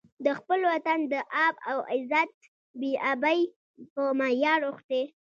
د خپل وطن د آب او عزت بې ابۍ په معیار اوښتی.